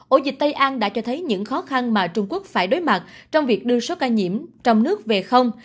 ổ dịch tây an đã cho thấy những khó khăn mà trung quốc phải đối mặt trong việc đưa số ca nhiễm trong nước về không